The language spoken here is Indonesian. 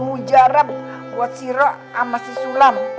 buat si roh sama si sulam